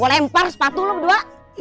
gue lempar sepatu lo berdua